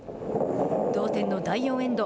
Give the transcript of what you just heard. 同点の第４エンド。